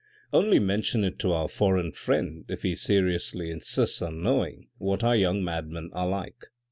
" Only mention it to our foreign friend, if he seriously insists on knowing what our young madmen are like.